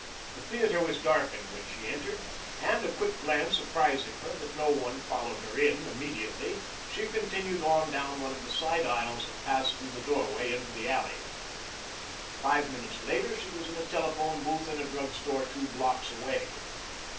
The theater was darkened when she entered and, a quick glance apprizing her that no one followed her in immediately, she continued on down one of the side aisles and passed through the doorway into the alley. Five minutes later she was in a telephone booth in a drug store two blocks away.